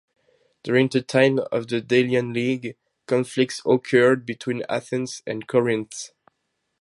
During the time of the Delian League, conflicts occurred between Athens and Corinth.